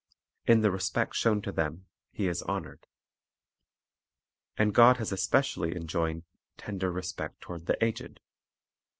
In the respect shown to them He is honored. And God has especially enjoined tender respect toward the aged.